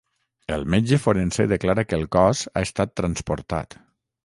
El metge forense declara que el cos ha estat transportat.